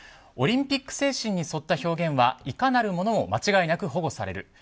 オリンピック精神に沿った表現はいかなるものも間違いなく保護される。